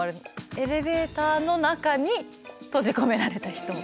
エレベーターの中に閉じ込められた人。